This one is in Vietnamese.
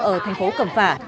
ở thành phố cầm phả